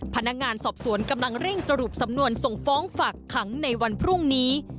พนักงานสอบสวนกำลังเร่งสรุปสำนวนส่งฟ้องฝากขังในวันพรุ่งนี้